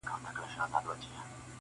اوبه په ډانگ نه بېلېږي -